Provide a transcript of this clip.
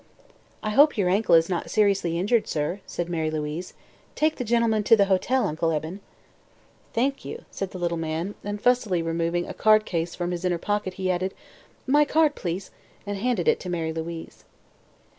"I hope your ankle is not seriously injured, sir," said Mary Louise. "Take the gentleman to the hotel, Uncle Eben." "Thank you," said the little man, and fussily removing a card case from an inner pocket he added: "My card, please," and handed it to Mary Louise.